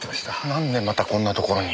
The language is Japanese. なんでまたこんなところに。